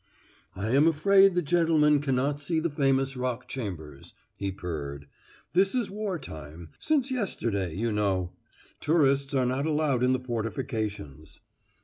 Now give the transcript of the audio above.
"I am afraid the gentleman can not see the famous Rock Chambers," he purred. "This is war time since yesterday, you know. Tourists are not allowed in the fortifications."